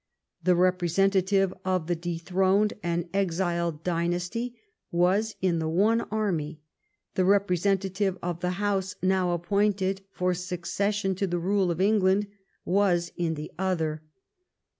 The representative of the de throned and exiled dynasty was in the one army — ^the representative of the house now appointed for succes sion to the rule of England was in the other.